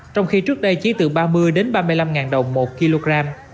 trong khi trước đây chỉ từ ba mươi đến ba mươi năm đồng một kg